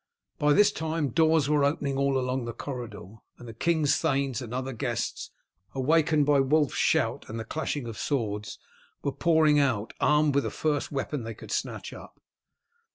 By this time doors were opening all along the corridor, and the king's thanes and other guests, awakened by Wulf's shout and the clashing of swords, were pouring out, armed with the first weapon they could snatch up.